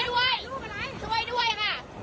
แล้วทำอะไรหรือยังคะ